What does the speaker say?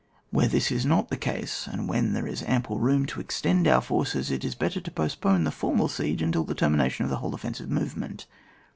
Where this is not the case, and when there is ample room to extend our forces, it is better to postpone the formal siege till the termination of the whole ofTensive movement.